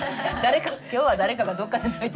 今日は誰かがどっかで泣いてる。